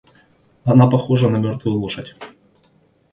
Она похожа на мертвую лошадь.